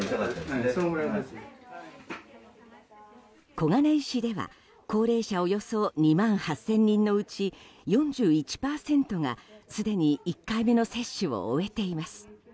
小金井市では高齢者およそ２万８０００人のうち４１％がすでに１回目の接種を終えています。